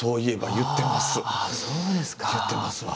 言ってますわ。